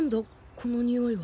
このにおいは。